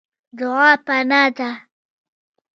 دعا پناه ده.